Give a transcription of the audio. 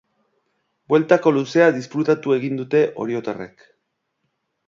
Bueltako luzea disfrutatu egin dute oriotarrek.